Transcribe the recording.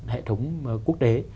hệ thống quốc tế